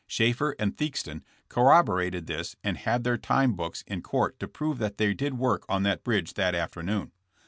Shaeffer and Theakston corroborated this and had their time books in court to prove that they did work on that bridge that afternoon.